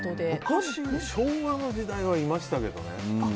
昔、昭和の時代はいましたけどね。